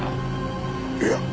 いや。